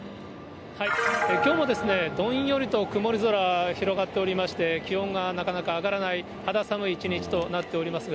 きょうもどんよりと曇り空広がっておりまして、気温がなかなか上がらない、肌寒い一日となっております。